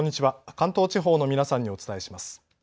関東地方の皆さんにお伝えします。